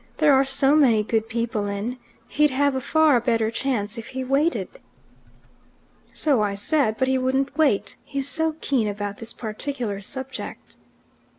There are so many good people in. He'd have afar better chance if he waited." "So I said, but he wouldn't wait. He's so keen about this particular subject."